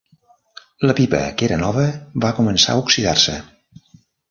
La pipa, que era nova, va començar a oxidar-se.